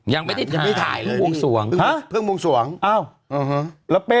ยังไม่ได้ถ่ายหรือวงส่วงฮะเพิ่งวงส่วงอ้าวอื้อฮะแล้วเป้